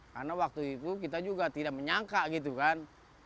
karena waktu itu kita juga tidak menyangka gitu kan